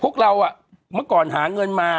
พวกเราเมื่อก่อนหาเงินมา